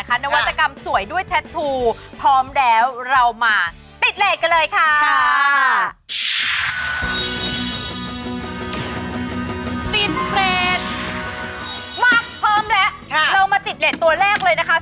ก็จะซื้อหน้าแบ่งจิตรระ